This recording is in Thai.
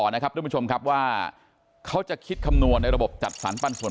นะครับทุกผู้ชมครับว่าเขาจะคิดคำนวณในระบบจัดสรรปันผล